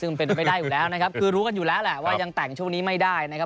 ซึ่งเป็นไปได้อยู่แล้วนะครับคือรู้กันอยู่แล้วแหละว่ายังแต่งช่วงนี้ไม่ได้นะครับ